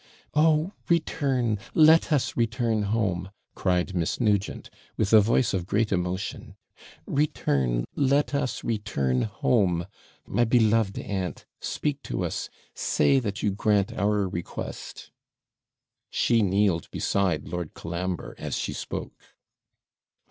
'Oh, return! let us return home!' cried Miss Nugent, with a voice of great emotion. 'Return, let us return home! My beloved aunt, speak to us! say that you grant our request!' She kneeled beside Lord Colambre, as she spoke.